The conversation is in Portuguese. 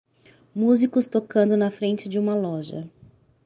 Músicos tocando na frente de uma loja